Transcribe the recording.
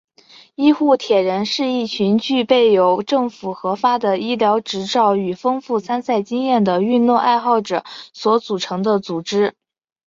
医护铁人是一群具备有政府核发的医疗执照与丰富参赛经验的运动爱好者所组成的组织。